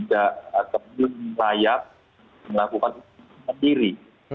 lihat di tingkatnya kita tetap layak melakukan pengetatan sendiri